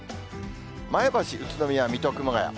前橋、宇都宮、水戸、熊谷。